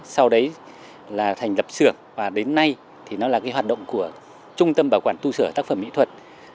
sau đấy là thành lập sửa và đến nay thì nó là hoạt động của trung tâm bảo quản tù sửa tác phẩm mỹ thuật